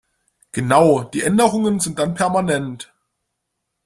Genau, die Änderungen sind dann permanent.